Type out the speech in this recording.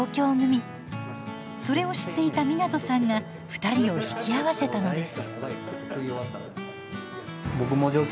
それを知っていた湊さんが２人を引き合わせたのです。